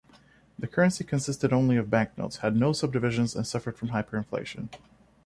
This currency consisted only of banknotes, had no subdivisions and suffered from hyperinflation.